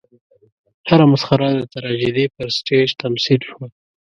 هره مسخره د تراژیدۍ پر سټېج تمثیل شوه.